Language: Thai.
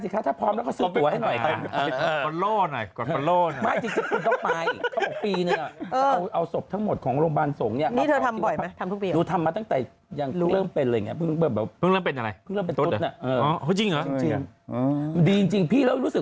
เขาทำพิธีเผาเลย